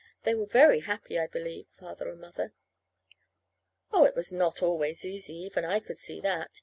They were very happy, I believe Father and Mother. Oh, it was not always easy even I could see that.